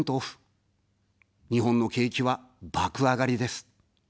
日本の景気は爆あがりです。